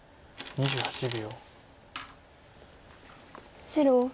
２８秒。